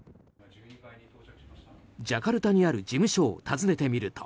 ジャカルタにある事務所を訪ねてみると。